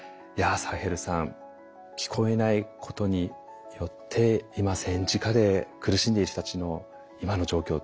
サヘルさん聞こえないことによって今戦時下で苦しんでいる人たちの今の状況